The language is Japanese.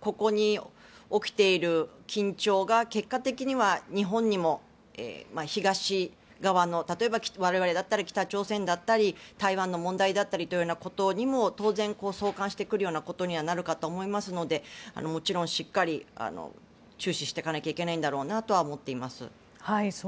ここに起きている緊張が結果的には、日本にも東側の例えば我々だったら北朝鮮だったり、台湾の問題だったりということにも当然相関してくるようなことにはなるかと思いますのでもちろんしっかり注視していかなきゃいけないんだろうとは思っています。